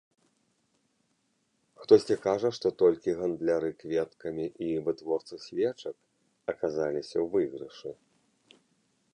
Хтосьці кажа, што толькі гандляры кветкамі і вытворцы свечак аказаліся ў выйгрышы.